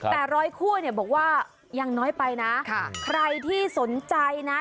แต่๑๐๐คู่บอกว่ายังน้อยไปนะใครที่สนใจนะ